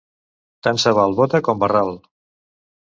Tant se val bota com barral.